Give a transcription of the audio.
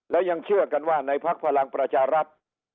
และยังเชื่อกันว่าในพักพลังประชารัฐ